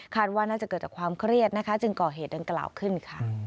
ว่าน่าจะเกิดจากความเครียดนะคะจึงก่อเหตุดังกล่าวขึ้นค่ะ